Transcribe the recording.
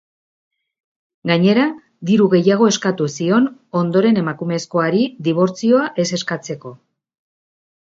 Gainera, diru gehiago eskatu zion ondoren emakumezkoari, dibortzioa ez eskatzeko.